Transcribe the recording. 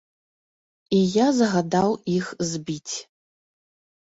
І я загадаў іх збіць.